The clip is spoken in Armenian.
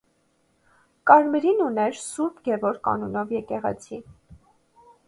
Կարմրին ուներ Ս. Գևորգ անունով եկեղեցի։